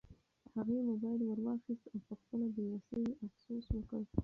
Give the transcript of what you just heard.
هغې موبایل ورواخیست او په خپله بې وسۍ یې افسوس وکړ.